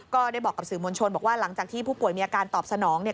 ก็ได้บอกกับสื่อมวลชนบอกว่าหลังจากที่ผู้ป่วยมีอาการตอบสนองเนี่ย